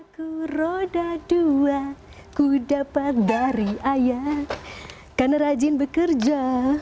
ku roda dua ku dapat dari ayah karena rajin bekerja